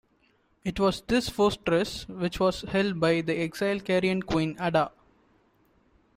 It was this fortress which was held by the exiled Carian Queen Ada.